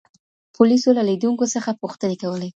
پولیسو له لیدونکو څخه پوښتني کولي.